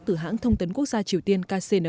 của bản thông tấn quốc gia triều tiên